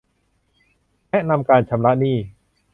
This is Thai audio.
แนะนำการชำระหนี้